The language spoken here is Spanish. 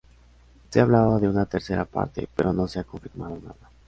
Se ha hablado de una tercera parte, pero no se ha confirmado nada.